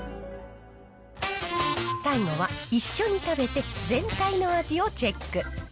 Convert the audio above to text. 最後は一緒に食べて全体の味をチェック。